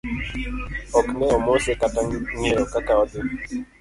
Ok ne omose kata ng'eyo kaka odhi.